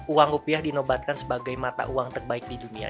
uang rupiah dinobatkan sebagai mata uang terbaik di dunia